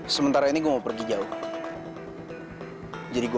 sekarang aku harus cari kemana bu